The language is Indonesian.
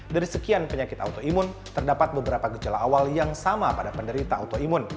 dari sekian penyakit autoimun terdapat beberapa gejala awal yang sama pada penderita autoimun